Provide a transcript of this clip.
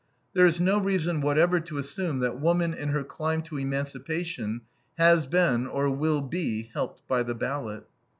There is no reason whatever to assume that woman, in her climb to emancipation, has been, or will be, helped by the ballot.